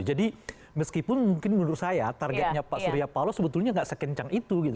jadi meskipun mungkin menurut saya targetnya pak surya paroi sebetulnya nggak sekencang itu gitu